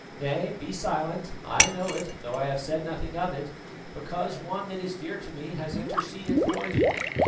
Nay, be silent; I know it, though I have said nothing of it because one that is dear to me has interceded for you.